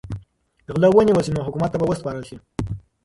که غله ونیول شي نو حکومت ته به وسپارل شي.